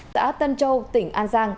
tạ tân châu tỉnh an giang